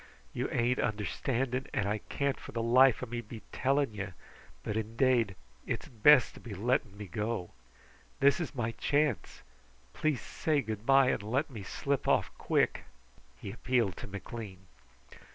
"You ain't understanding, and I can't for the life of me be telling you, but indade, it's best to be letting me go. This is my chance. Please say good bye, and let me slip off quick!" He appealed to McLean.